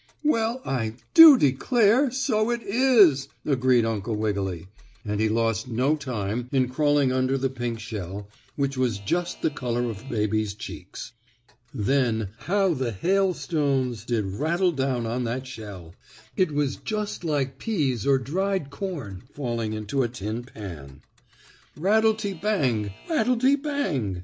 "Well, I do declare so it is!" agreed Uncle Wiggily, and he lost no time in crawling under the pink shell which was just the color of baby's cheeks. Then how the hailstones did rattle down on that shell! It was just like peas or dried corn falling into a tin pan. Rattle te bang! Rattle te bang!